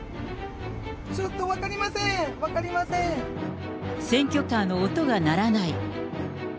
ちょっと分かりませーん、分かり選挙カーの音が鳴らない。